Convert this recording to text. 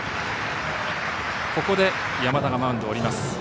ここで山田がマウンドを降ります。